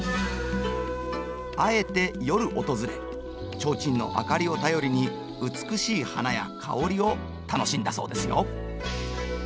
あえて夜訪れちょうちんの明かりを頼りに美しい花や香りを楽しんだそうですよ。